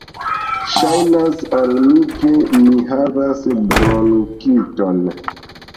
Ŝajnas al mi ke mi havas bronkiton.